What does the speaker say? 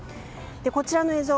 こちらの映像